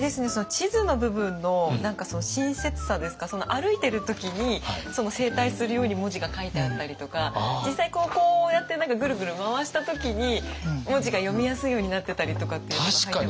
地図の部分の親切さですか歩いてる時に正対するように文字が書いてあったりとか実際こうやってぐるぐる回した時に文字が読みやすいようになってたりとかっていうのが入ってます。